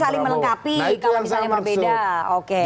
jadi saling melengkapi kalau misalnya berbeda